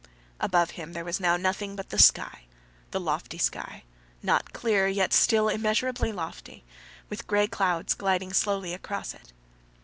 Above him there was now nothing but the sky—the lofty sky, not clear yet still immeasurably lofty, with gray clouds gliding slowly across it.